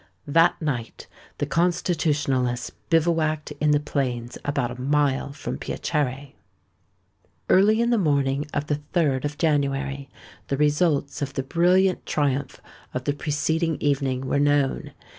That night, the Constitutionalists bivouacked in the plains about a mile from Piacere. Early in the morning of the 3d of January, the results of the brilliant triumph of the preceding evening were known.